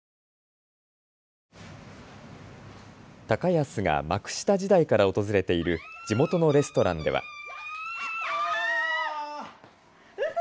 高安が幕下時代から訪れている地元のレストランでは。